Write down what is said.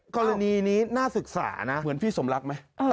กรณีนี้น่าศึกษานะเหมือนพี่สมรักไหม